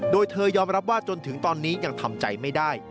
โดยเธอยอมรับว่าจนถึงตอนนี้ยังทำใจไม่ได้